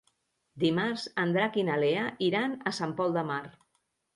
Dimarts en Drac i na Lea iran a Sant Pol de Mar.